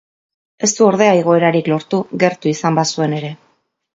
Ez du ordea igoerarik lortu, gertu izan bazuen ere.